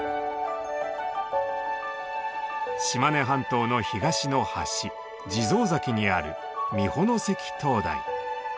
島根半島の東の端地蔵崎にある美保関灯台。